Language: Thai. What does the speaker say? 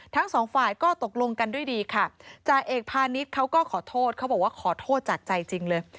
ทั้งสองฝ่ายก็ตกลงกันด้วยดีค่ะจ่าเอกพาณิชย์เขาก็ขอโทษเขาบอกว่าขอโทษจากใจจริงเลย